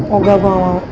oh gak gue gak mau